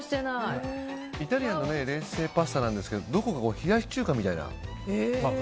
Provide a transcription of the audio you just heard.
イタリアンの冷製パスタなんだけどどこか冷やし中華みたいな。